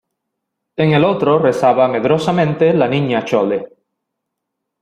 en el otro rezaba medrosamente la Niña Chole.